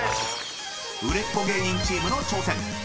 ［売れっ子芸人チームの挑戦。